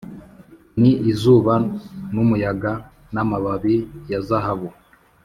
ni izuba n'umuyaga, n'amababi ya zahabu.